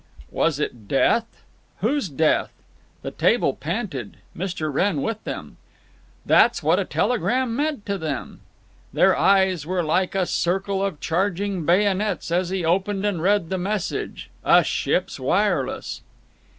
Was it death? Whose death? The table panted, Mr. Wrenn with them…. That's what a telegram meant to them. Their eyes were like a circle of charging bayonets as he opened and read the message—a ship's wireless.